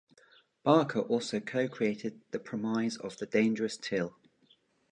Barker also co-created the premise of the dangerous till.